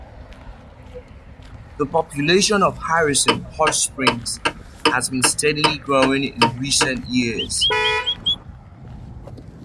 The population of Harrison Hot Springs has been steadily growing in recent years.